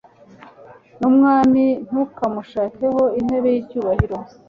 n'umwami ntukamushakeho intebe y'icyubahiro